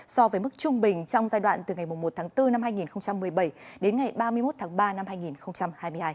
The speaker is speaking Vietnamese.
so với mức trung bình trong giai đoạn từ ngày một tháng bốn năm hai nghìn một mươi bảy đến ngày ba mươi một tháng ba năm hai nghìn hai mươi hai